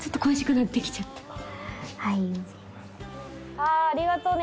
ああありがとね